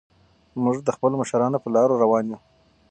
موږ د خپلو مشرانو په لارو روان یو.